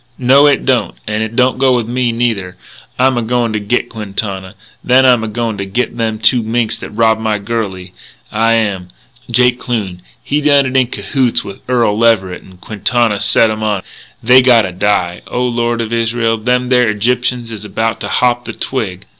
No, it don't. And it don't go with me, neither. I'm a goin' to git Quintana. Then I'm a goin' to git them two minks that robbed my girlie, I am!... Jake Kloon, he done it in cahoots with Earl Leverett; and Quintana set 'em on. And they gotta die, O Lord of Israel, them there Egyptians is about to hop the twig....